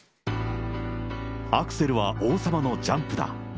アクセルは王様のジャンプだ。